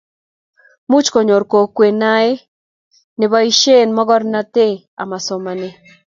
moch konyoru kokwee nae neboisien mokornotee am somanee